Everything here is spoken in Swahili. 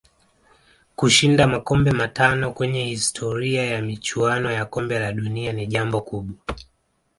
Kushinda makombe matano kwenye historia ya michuano ya kombe la dunia ni jambo kubwa